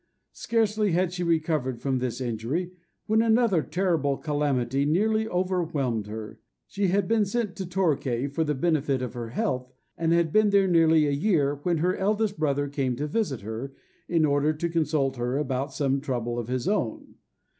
Scarcely had she recovered from this injury, when another terrible calamity nearly overwhelmed her. She had been sent to Torquay for the benefit of her health, and had been there nearly a year, when her eldest brother came to visit her, in order to consult her about some trouble of his own.